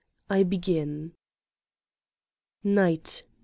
I begin. Night.